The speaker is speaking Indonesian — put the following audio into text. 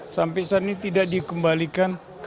sampai saat ini tidak dikembalikan